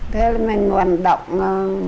thế mình hoạt động